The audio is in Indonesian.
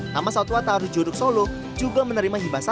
taman satu ataru juruk solo juga menerima hibat saluran